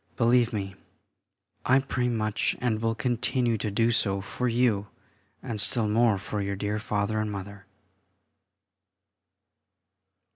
Believe me, I pray much, and will continue to do so for you, and still more for your dear Father and Mother....